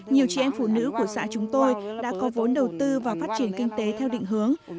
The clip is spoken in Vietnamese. nhiều chị em phụ nữ của xã chúng tôi đã có vốn đầu tư và phát triển kinh tế theo định hướng